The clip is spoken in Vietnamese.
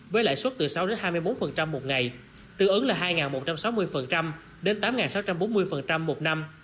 với lãi suất từ sáu hai mươi một một ngày tương ứng là hai một trăm sáu mươi đến tám sáu trăm bốn mươi một năm